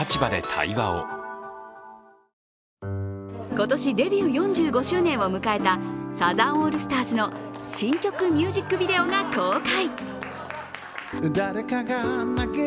今年、デビュー４５周年を迎えたサザンオールスターズの新曲ミュージックビデオが公開。